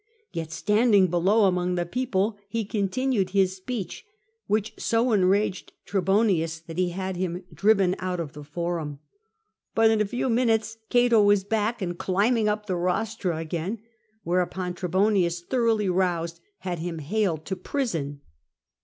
Yet, standing below among the people, he continued his speech, which so enraged Trebonius that he had him driven out of the CATO DENOUNCES CJESAR 223 Forum. But in a few minutes Cato was back and climb ing up the rostra again, whereupon Trebonius, thoroughly roused, had him haled to prison.